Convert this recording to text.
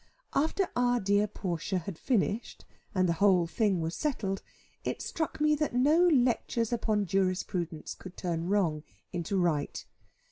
After our dear Portia had finished, and the whole thing was settled, it struck me that no lectures upon jurisprudence could turn wrong into right.